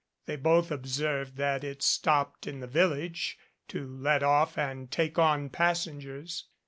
They both observed that it stopped in the village to let off and take on passengers.